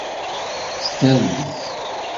Sderdez.